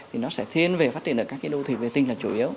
thì nó sẽ thiên về phát triển ở các cái đô thị vệ tinh là chủ yếu